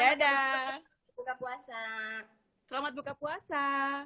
dadang buka puasa selamat buka puasa